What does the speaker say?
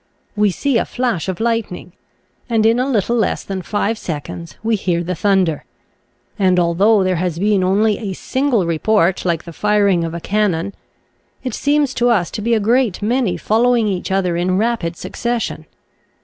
We see a flash of lightning, and in a little less than five seconds we hear the thunder; and, although there has been only a single report like the firing of a cannon, it seems to us to be a great many following each other in rapid succession.